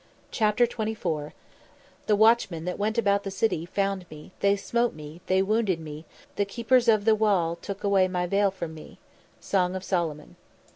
CHAPTER XXIV "_The watchmen that went about the city found me; they smote me, they wounded me; the keepers of the wall took away my veil from me_." SONG OF SOLOMON.